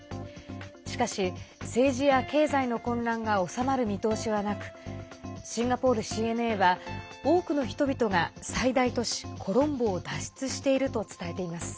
しかし、政治や経済の混乱が収まる見通しはなくシンガポールＣＮＡは多くの人々が最大都市コロンボを脱出していると伝えています。